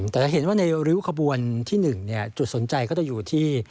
แต่จะเห็นว่าในริ้วขบวนที่๑จุดสนใจก็จะอยู่ที่